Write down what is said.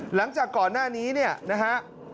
หลังจากก่อนหน้านี้เนี่ยนะฮะ